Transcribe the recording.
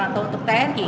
atau untuk tni